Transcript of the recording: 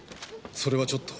それはちょっと。